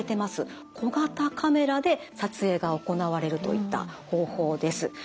小型カメラで撮影が行われるといった方法です。